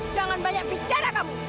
jangan banyak bicara kamu